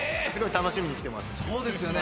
すごい楽しみにしてます。